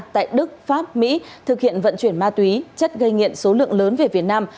tại đức pháp mỹ thực hiện vận chuyển ma túy chất gây nghiện số lượng lớn về việt nam